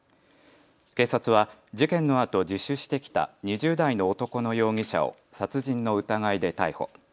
警察は事件のあと自首してきた２０代の男の容疑者を殺人の疑いで逮捕。